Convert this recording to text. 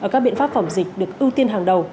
các biện pháp phòng dịch được ưu tiên hàng đầu